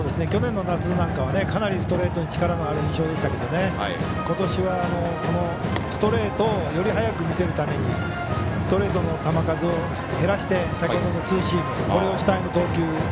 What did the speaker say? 去年の夏なんかはかなりストレートに力のある印象でしたけどことしはこのストレートをより速く見せるためにストレートの球数を減らしてツーシームこれを主体の投球。